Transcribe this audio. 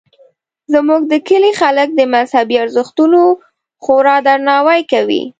زموږ د کلي خلک د مذهبي ارزښتونو خورا درناوی کوي